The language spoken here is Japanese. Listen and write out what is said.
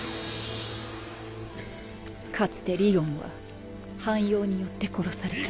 かつてりおんは半妖によって殺された。